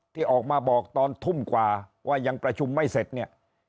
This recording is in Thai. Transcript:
ที่ออกมาบอกตอนทุ่มกว่าว่ายังประชุมไม่เสร็จเนี่ย